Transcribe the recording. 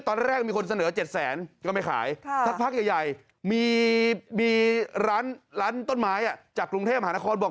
ตอนแรกมีคนเสนอ๗แสนก็ไม่ขายสักพักใหญ่มีร้านต้นไม้จากกรุงเทพมหานครบอก